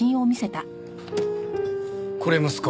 これ息子。